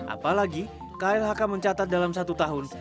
apalagi klhk mencatat dalam satu tahun